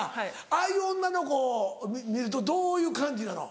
ああいう女の子見るとどういう感じなの？